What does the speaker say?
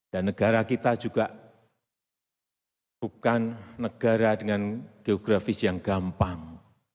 dan negara kita juga bukan negara dengan geografis yang gampang